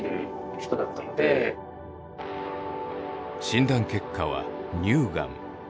診断結果は乳がん。